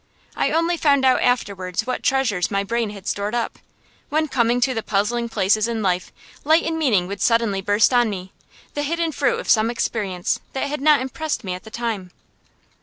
I only found out afterwards what treasures my brain had stored up, when, coming to the puzzling places in life, light and meaning would suddenly burst on me, the hidden fruit of some experience that had not impressed me at the time.